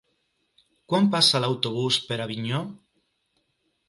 Quan passa l'autobús per Avinyó?